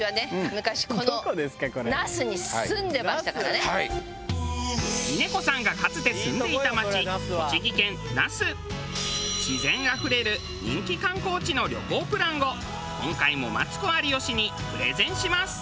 昔この峰子さんがかつて住んでいた町自然あふれる人気観光地の旅行プランを今回もマツコ有吉にプレゼンします。